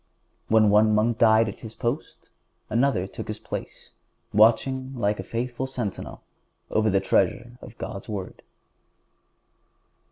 When one monk died at his post another took his place, watching like a faithful sentinel over the treasure of God's Word.